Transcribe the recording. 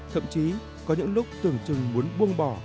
thậm chí có những lúc tưởng chừng muốn buông bỏ